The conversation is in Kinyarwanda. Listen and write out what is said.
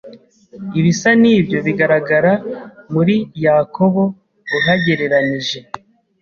Ibisa n'ibyo bigaragara muri Yakobo uhagereranij